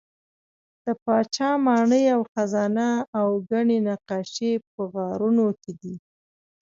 د پاچا ماڼۍ او خزانه او ګڼې نقاشۍ په غارونو کې دي.